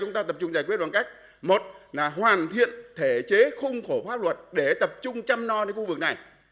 tập trung chăm no đến khu vực này